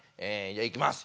じゃあいきます。